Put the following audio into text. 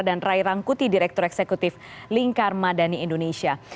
dan rai rangkuti direktur eksekutif lingkar madani indonesia